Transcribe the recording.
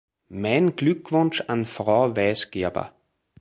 Mein Glückwunsch an Frau Weisgerber.